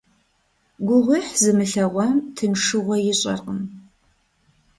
Гугъуехь зымылъэгъуам тыншыгъуэ ищӀэркъым.